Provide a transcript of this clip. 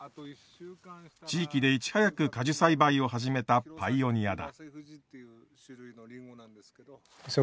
地域でいち早く果樹栽培を始めたパイオニアだ。